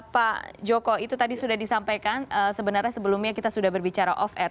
pak joko itu tadi sudah disampaikan sebenarnya sebelumnya kita sudah berbicara off air